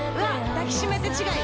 「抱きしめて」違い